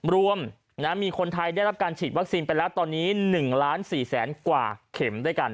รวมมีคนไทยได้รับการฉีดวัคซีนไปแล้วตอนนี้๑ล้าน๔แสนกว่าเข็มด้วยกัน